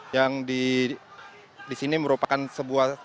yang disini merupakan sebuah